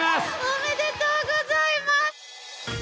おめでとうございます。